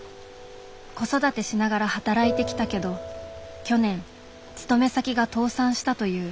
子育てしながら働いてきたけど去年勤め先が倒産したという。